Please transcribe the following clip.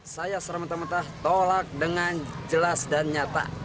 saya seramata mata tolak dengan jelas dan nyata